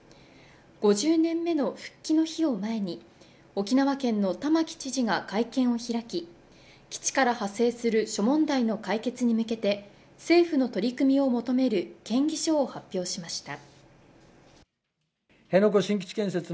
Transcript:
５０年目の復帰の日を前に沖縄県の玉城知事が会見を開き基地から派生する諸問題の解決に向けて政府の取り組みを求める建議書を発表しました。